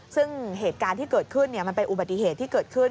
ซึ่งเหตุการณ์ที่เกิดขึ้นมันเป็นอุบัติเหตุที่เกิดขึ้น